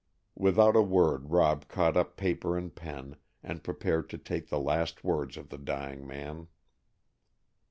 Without a word, Rob caught up paper and pen, and prepared to take the last words of the dying man.